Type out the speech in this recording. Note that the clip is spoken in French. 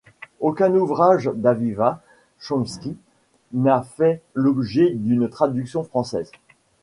Aucun ouvrage d'Aviva Chomsky n'a fait l'objet d'une traduction française.